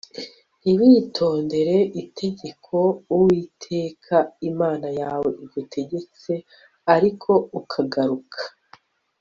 ntiwitondere itegeko Uwiteka Imana yawe igutegetse ariko ukagaruka